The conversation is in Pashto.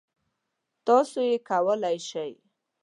تاسو یې کولای شی.